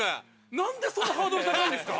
何でそんなハードル高いんですか？